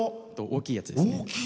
大きいやつですね。